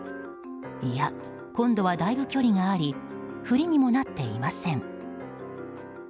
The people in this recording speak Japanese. いや、今度はだいぶ距離がありふりにもなっていません。